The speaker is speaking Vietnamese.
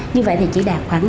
như vậy thì chỉ đạt khoảng